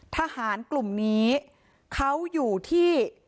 ทหารกลุ่มนี้เขาอยู่ที่